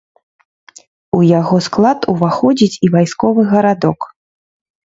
У яго склад уваходзіць і вайсковы гарадок.